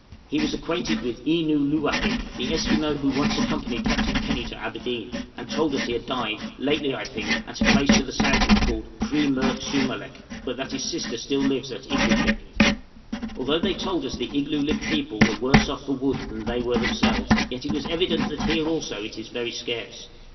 He was acquainted with Ee noo lōō apik, the Esquimaux who once accompanied Captain Penny to Aberdeen, and told us he had died, lately I think, at a place to the southward called Kri merk sū malek, but that his sister still lives at Igloolik. {BARTER WITH NATIVES.} Although they told us the Igloolik people were worse off for wood than they were themselves, yet it was evident that here also it is very scarce.